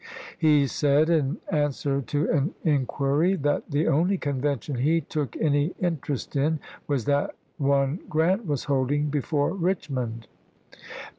He said, in answer to an inquiry, that " the only convention he took any in terest in was that one Grant was holding before Richmond."